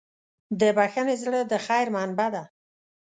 د بښنې زړه د خیر منبع ده.